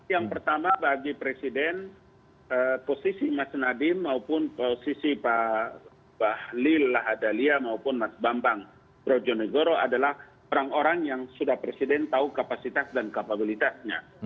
yang pertama bagi presiden posisi mas nadiem maupun posisi pak bahlil lahadalia maupun mas bambang brojonegoro adalah orang orang yang sudah presiden tahu kapasitas dan kapabilitasnya